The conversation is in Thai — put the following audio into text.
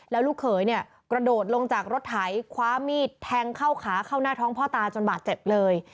แล้วลูกเขยเนี่ยกระโดดลงจากรถไถคว้ามีดแทงเข้าขาเข้าหน้าท้องพ่อตาจนบาดเจ็บเลย